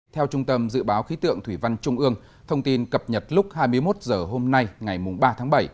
theo trung tâm dự báo khí tượng thủy văn trung ương thông tin cập nhật lúc hai mươi một h hôm nay ngày ba tháng bảy